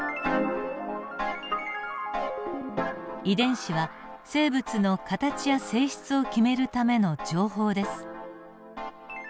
遺伝子は生物の形や性質を決めるための情報です。